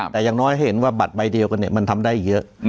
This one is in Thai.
แต่อย่างน้อยเห็นว่าบัตรใบเดียวกันมันทำได้เยอะ